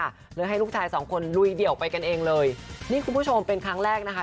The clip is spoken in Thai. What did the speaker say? เลยให้ลูกชายสองคนลุยเดี่ยวไปกันเองเลยนี่คุณผู้ชมเป็นครั้งแรกนะคะ